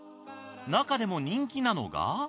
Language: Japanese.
中でも人気なのが。